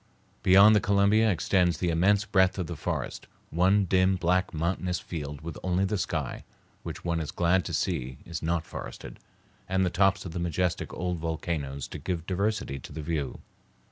Beyond the Columbia extends the immense breadth of the forest, one dim, black, monotonous field with only the sky, which one is glad to see is not forested, and the tops of the majestic old volcanoes to give diversity to the view.